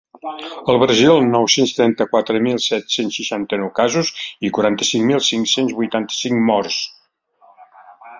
El Brasil, amb nou-cents trenta-quatre mil set-cents seixanta-nou casos i quaranta-cinc mil cinc-cents vuitanta-cinc morts.